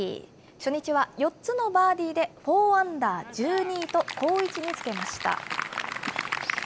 初日は４つのバーディーでフォーアンダー１２位と好位置につけました。